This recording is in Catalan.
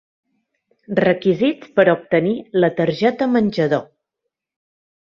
Requisits per obtenir la targeta menjador.